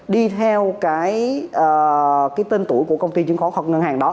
đi theo cái tên tuổi của công ty chứng khoán hoặc ngân hàng đó